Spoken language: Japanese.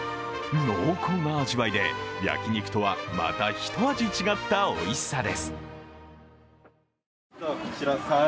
濃厚な味わいで焼き肉とはまたひと味違ったおいしさです。